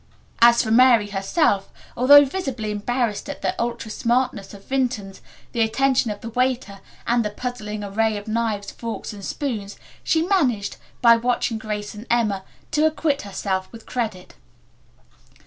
As for Mary herself, although visibly embarrassed at the ultra smartness of Vinton's, the attention of the waiter, and the puzzling array of knives, forks and spoons, she managed, by watching Grace and Emma, to acquit herself with credit.